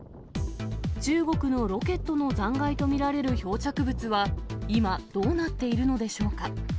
中国のロケットの残骸と見られる漂着物は、今、どうなっているのでしょうか。